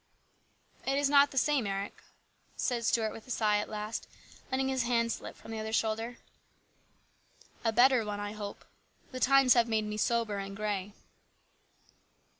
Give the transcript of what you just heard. " It is not the same Eric," said Stuart with a sigh at last, letting his hand slip from the other's shoulder. " A better one, I hope. The times have made me sober and grey."